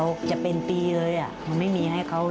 สวัสดีค่ะสวัสดีค่ะ